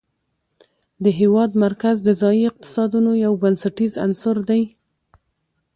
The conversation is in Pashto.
د هېواد مرکز د ځایي اقتصادونو یو بنسټیز عنصر دی.